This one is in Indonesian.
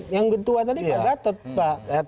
yang ketua tadi pak gatot pak